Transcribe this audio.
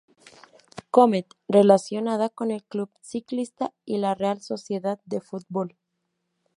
Comet" relacionada con el Club Ciclista y la Real Sociedad de Fútbol.